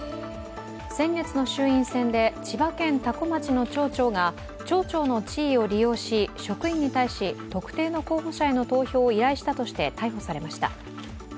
先月の衆院選で千葉県多古町の町長が町長の地位を利用し、職員に対し、特定の候補者への投票を依頼したとして逮捕されました。